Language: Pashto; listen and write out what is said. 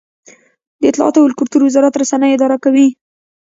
د اطلاعاتو او کلتور وزارت رسنۍ اداره کوي